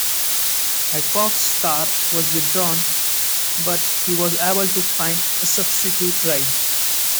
Adcox's car was withdrawn but he was able to find a substitute ride.